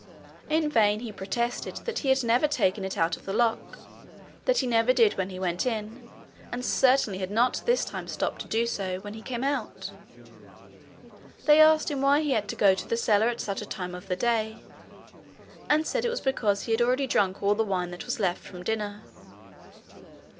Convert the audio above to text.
In vain he protested that he had never taken it out of the lock that he never did when he went in, and certainly had not this time stopped to do so when he came out; they asked him why he had to go to the cellar at such a time of the day, and said it was because he had already drunk all the wine that was left from dinner.